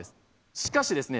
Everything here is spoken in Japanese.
しかしですね